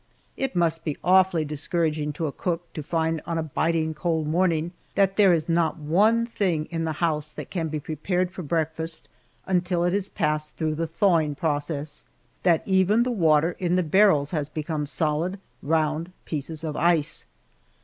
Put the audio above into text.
It must be awfully discouraging to a cook to find on a biting cold morning, that there is not one thing in the house that can be prepared for breakfast until it has passed through the thawing process; that even the water in the barrels has become solid, round pieces of ice!